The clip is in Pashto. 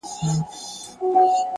د پوهې ارزښت په کارولو کې دی!.